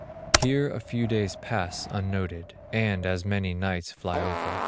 Here a few days pass unnoted And as many nights fly over.